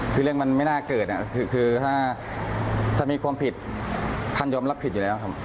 คือเรื่องมันไม่น่าเกิดคือถ้ามีความผิดท่านยอมรับผิดอยู่แล้วครับ